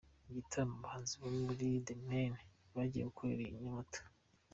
Igitaramo abahanzi bo muri The Mane bagiye gukorera i Nyamata.